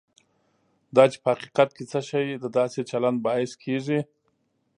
دا چې په حقیقت کې څه شی د داسې چلند باعث کېږي.